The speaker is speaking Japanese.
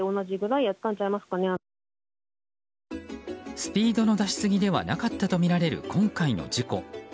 スピードの出しすぎではなかったとみられる今回の事故。